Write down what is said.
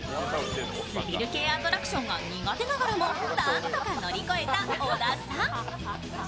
スリル系アトラクションが苦手ながらもなんとか乗り越えた小田さん。